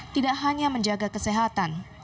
tidak hanya menjaga kesehatan